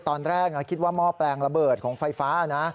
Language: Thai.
ตอนแรกคิดว่าหม้อแปลงระเบิดของไฟฟ้านะ